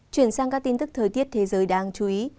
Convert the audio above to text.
chuyển sang các tin tức thời tiết thế giới đáng chú ý